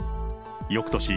よくとし、